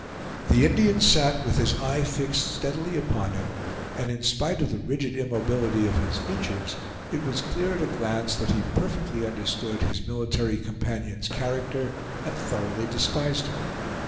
The Indian sat with his eye fixed steadily upon him, and in spite of the rigid immobility of his features, it was clear at a glance that he perfectly understood his military companion's character and thoroughly despised him.